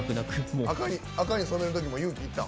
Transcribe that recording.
赤に染めるときも勇気いった？